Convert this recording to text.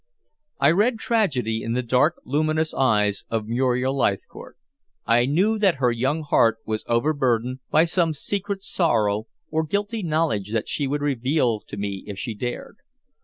I read tragedy in the dark luminous eyes of Muriel Leithcourt. I knew that her young heart was over burdened by some secret sorrow or guilty knowledge that she would reveal to me if she dared.